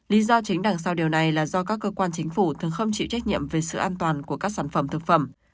lý do chính đằng sau điều này là do các cơ quan chính phủ thường không chịu trách nhiệm về sự an toàn của các sản phẩm thực phẩm